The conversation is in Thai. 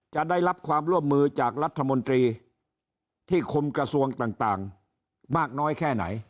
จะได้รับความร่วมมือจากรัฐมนตรีที่คุมกระทรวงต่างมากน้อยแค่ไหน